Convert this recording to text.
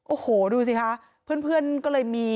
โอ้โหดูสิคะเพื่อนก็เลยมี